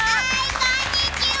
こんにちは！